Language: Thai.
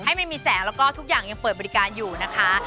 ให้มันมีแสงแล้วก็ทุกอย่างยังเปิดบริการอยู่นะคะ